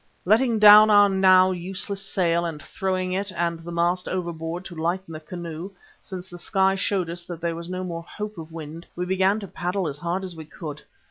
Letting down our now useless sail and throwing it and the mast overboard to lighten the canoe, since the sky showed us that there was no more hope of wind, we began to paddle as hard as we could.